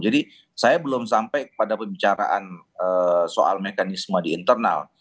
jadi saya belum sampai pada pembicaraan soal mekanisme di internal